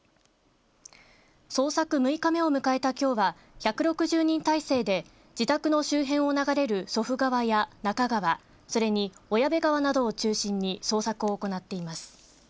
捜索６日目を迎えたきょうは１６０人態勢で自宅の周辺を流れる祖父川や中川、それに小矢部川などを中心に捜索を行っています。